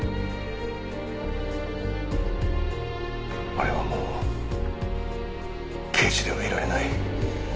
俺はもう刑事ではいられない。